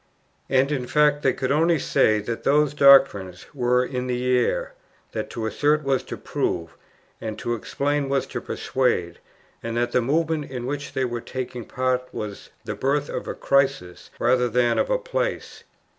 And, in fact, they could only say that those doctrines were in the air; that to assert was to prove, and that to explain was to persuade; and that the Movement in which they were taking part was the birth of a crisis rather than of a place.